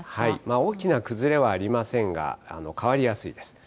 大きな崩れはありませんが、変わりやすいです。